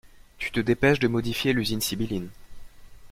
Tu te dépêches de modifier l'usine sibylline.